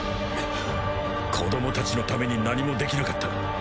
子供達のために何もできなかった